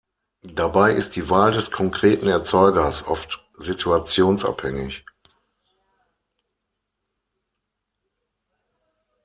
Dabei ist die Wahl des konkreten Erzeugers oft situationsabhängig.